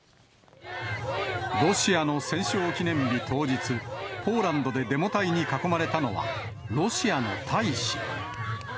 ロシアの戦勝記念日当日、ポーランドでデモ隊に囲まれたのは、ロシアの大使。